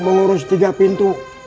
mengurus tiga pintu